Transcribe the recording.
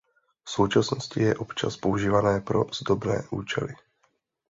V současnosti je občas používané pro zdobné účely.